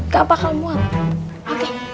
gak bakal muat